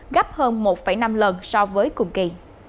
gấp hơn một năm lần so với cùng kỳ